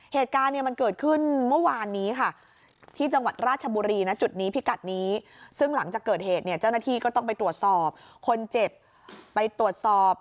เหตุการณ์เนี่ยมันเกิดขึ้นเมื่อวานนี้ค่ะที่จังหวัดราชบุรีนะจุดนี้พิกัดนี้ซึ่งหลังจากเกิดเหตุเนี่ยเจ้าหน้าที่ก็ต้องไปตรวจสอบคนเจ็บไปตรวจสอบ